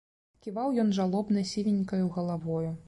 Ківаў ён жалобна сівенькаю галавою.